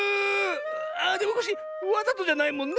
ああでもコッシーわざとじゃないもんね？